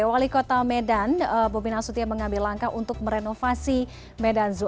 wali kota medan bobi nasution mengambil langkah untuk merenovasi medan zoo